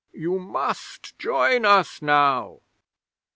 You must join us now!"